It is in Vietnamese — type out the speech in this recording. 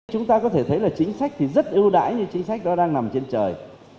chúng ta có thể thấy là chính sách thì rất ưu đãi như chính sách đó đang nằm trên trời